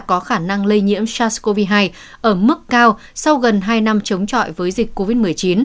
có khả năng lây nhiễm sars cov hai ở mức cao sau gần hai năm chống trọi với dịch covid một mươi chín